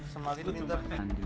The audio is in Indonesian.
semalih untuk interventi